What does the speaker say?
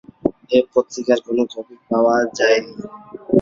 এ পত্রিকার কোন কপি পাওয়া যায়নি।